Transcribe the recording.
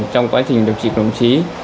trong quá trình điều trị của đồng chí